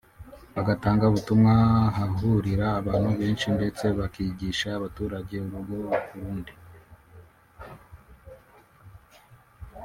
bagatanga ubutumwa ahahurira abantu benshi ndetse bakigisha abaturage urugo ku rundi